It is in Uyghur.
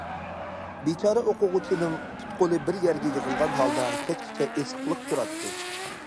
بىچارە ئوقۇغۇچىنىڭ پۇت- قولى بىر يەرگە يىغىلغان ھالدا كەچكىچە ئېسىقلىق تۇراتتى.